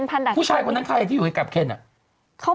นี่เราสนใจคนทั้งข้างเลยล่ะพี่หมด